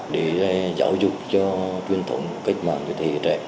để giáo dục cho truyền thống cách mạng cho thế hệ trẻ